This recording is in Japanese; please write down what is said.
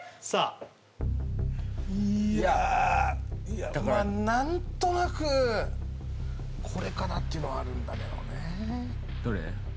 さあいや何となくこれかなっていうのはあるんだけどねどれ？